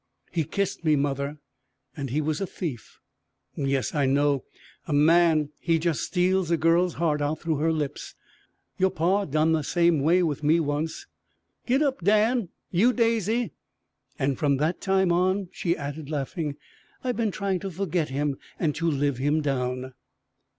He kissed me, mother and he was a thief!" "Yes, I know. A man he just steals a girl's heart out through her lips. Yore paw done that way with me once. Git up, Dan! You, Daisy! "And from that time on," she added laughing, "I been trying to forget him and to live him down!"